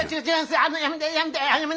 あのやめてやめて！